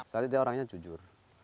saya dia orangnya jujur